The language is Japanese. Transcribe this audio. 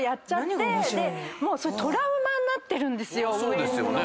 そうですよね。